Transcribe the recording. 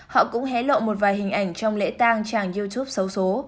họ cũng hé lộ một vài hình ảnh trong lễ tang tràng youtube xấu xố